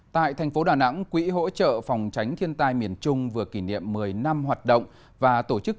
tại thành phố đà nẵng quỹ hỗ trợ phòng tránh thiên tai miền trung vừa kỷ niệm một mươi năm hoạt động và tổ chức